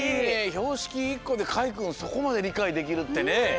ひょうしき１こでかいくんそこまでりかいできるってね！